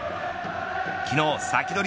昨日、サキドリ！